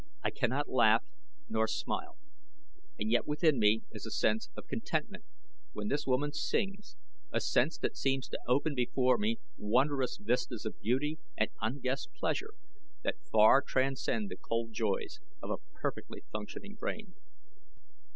I cannot laugh nor smile, and yet within me is a sense of contentment when this woman sings a sense that seems to open before me wondrous vistas of beauty and unguessed pleasure that far transcend the cold joys of a perfectly functioning brain.